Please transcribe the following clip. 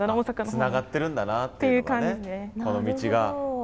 つながってるんだなっていうのをね